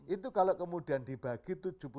itu kalau kemudian dibagi